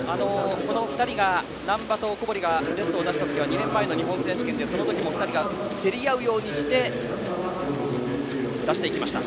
難波と小堀がベストを出した時は２年前の日本選手権でその時も２人が競り合うようにして出していきました。